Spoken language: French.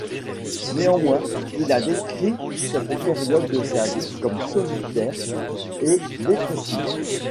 Néanmoins, il a décrit cette période de sa vie comme solitaire et dépressive.